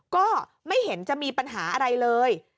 ก็ไม่เห็นจะมีปัญหาอะไรเลย